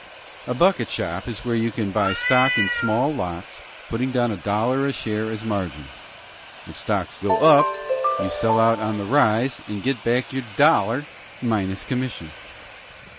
A bucket shop is where you can buy stock in small lots, putting down a dollar a share as margin. If stocks go up, you sell out on the rise, and get back your dollar minus commission."